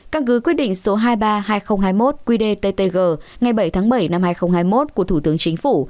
căn cứ quyết định số hai mươi ba hai nghìn hai mươi một qdttg ngày bảy tháng bảy năm hai nghìn hai mươi một của thủ tướng chính phủ